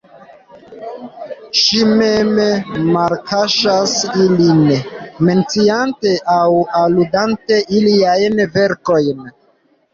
Ŝi mem malkaŝas ilin, menciante aŭ aludante iliajn verkojn.